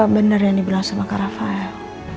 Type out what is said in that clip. apa bener yang dibilang sama kak rafael